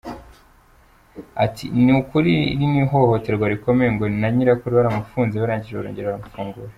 Ati “Ni ukuri iri ni ihohoterwa rikomeye! Ngo na Nyirakuru baramufunze barangije barongera baramufungura.